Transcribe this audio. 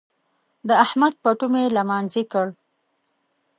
د احمد پټو مې لمانځي کړ.